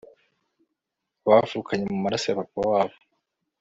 bavukanye mumaraso ya papa wabo